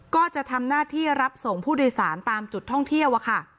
ของผู้โดยสารตามจุดท่องเที่ยวค่ะ